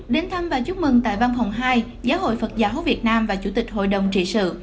đến thăm và chúc mừng tại văn phòng hai giáo hội phật giáo việt nam và chủ tịch hội đồng trị sự